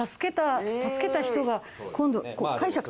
助けた人が今度。